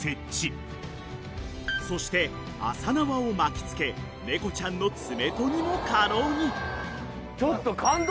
［そして麻縄を巻きつけ猫ちゃんの爪とぎも可能に］